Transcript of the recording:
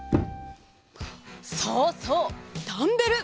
そうそうダンベル！